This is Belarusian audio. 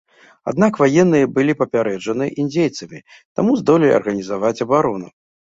Аднак ваенныя былі папярэджаны індзейцамі, таму здолелі арганізаваць абарону.